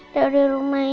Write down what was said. terus di depannya